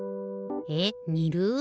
えっにる？